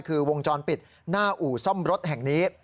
คือวงจรปิดหน้าอู่ซ่อมรถแห่งนี้